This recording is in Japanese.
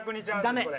ダメ。